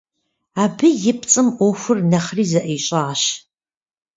Абы и пцӏым ӏуэхур нэхъри зэӏищӏащ.